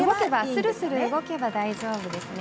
スルスル動けば大丈夫ですね。